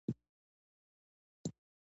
اوس مې هم ګومان نه کېده چې دا خبرې دې رښتيا وي.